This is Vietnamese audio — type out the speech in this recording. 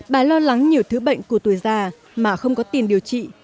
bà lo lắng nhiều thứ bệnh của tuổi già mà không có tiền điều trị